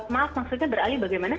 maaf maksudnya beralih bagaimana